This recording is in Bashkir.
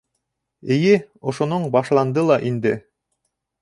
Эйе, ошоноң башланды ла инде.